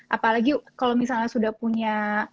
apalagi kalau misalnya sudah punya